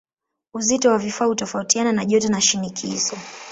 Uzito wa vifaa hutofautiana na joto na shinikizo.